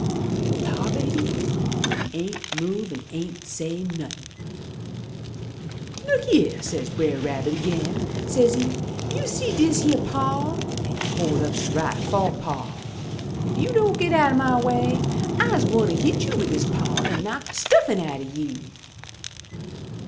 "But Tar Baby ain't move an' ain't say nothin'. " 'Look yere,' says Brer Rabbit again, says'e, *You see dis yere paw,' an' he hoi' up his right fo' paw, *If you don' get out o' my way, I'se gwine hit you wid dis paw an' knock de stuffin' out o' you!'